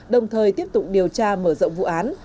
đồng thời tiếp tục điều tra mở rộng vụ án